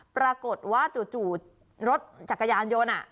ปรากฏว่าจู่รถจักรยานยนต์